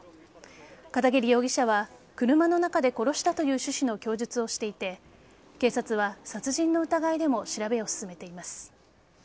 片桐容疑者は車の中で殺したという趣旨の供述をしていて警察は殺人の疑いでも調べを進めています。